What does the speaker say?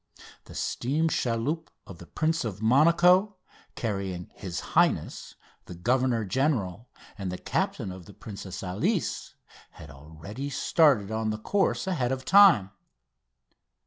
The steam chaloupe of the Prince of Monaco, carrying His Highness, the Governor General, and the captain of the Princesse Alice, had already started on the course ahead of time.